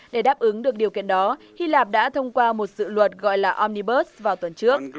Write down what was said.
để đáp ứng được điều kiện đó hy lạp đã thông qua một dự luật gọi là omibus vào tuần trước